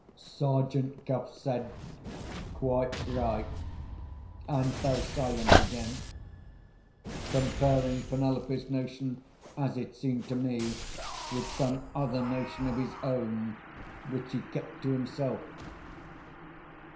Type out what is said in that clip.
Sergeant Cuff said, "Quite right," and fell silent again; comparing Penelope's notion (as it seemed to me) with some other notion of his own which he kept to himself.